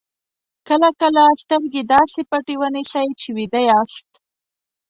کله کله سترګې داسې پټې ونیسئ چې ویده یاست.